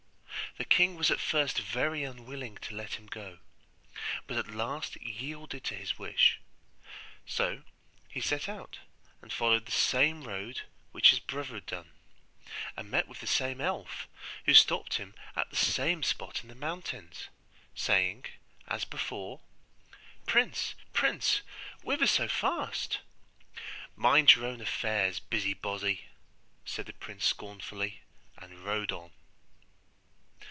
The king was at first very unwilling to let him go, but at last yielded to his wish. So he set out and followed the same road which his brother had done, and met with the same elf, who stopped him at the same spot in the mountains, saying, as before, 'Prince, prince, whither so fast?' 'Mind your own affairs, busybody!' said the prince scornfully, and rode on.